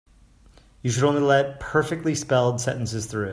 You should only let perfectly spelled sentences through.